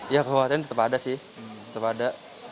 ya kekhawatiran tetap ada sih tetap ada